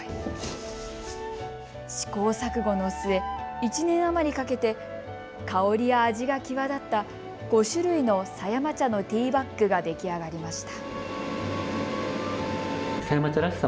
試行錯誤の末、１年余りかけて香りや味が際立った、５種類の狭山茶のティーバッグが出来上がりました。